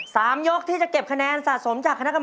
สามยกที่จะเก็บคะแนนสะสม